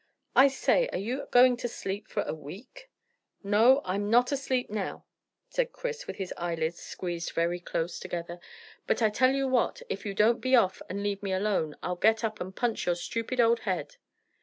"I say, are you going to sleep for a week?" "No! And I'm not asleep now," said Chris, with his eyelids squeezed very close together; "but I tell you what, if you don't be off and leave me alone I'll get up and punch your stupid old head."